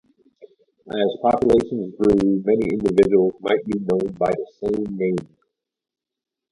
As populations grew, many individuals might be known by the same name.